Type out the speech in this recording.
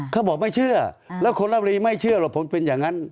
เขาบอกไม่เชื่อแล้วคนละบุรีไม่เชื่อหรอกผมเป็นอย่างนั้น